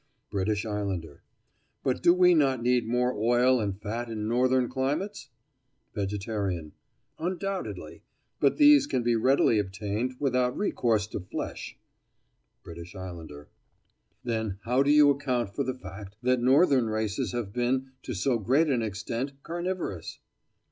BRITISH ISLANDER: But do we not need more oil and fat in northern climates? VEGETARIAN: Undoubtedly; but these can be readily obtained without recourse to flesh. BRITISH ISLANDER: Then how do you account for the fact that northern races have been, to so great an extent, carnivorous?